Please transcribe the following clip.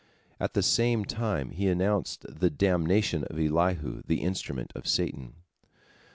At the same time he announced the damnation of Elihu, the instrument of Satan.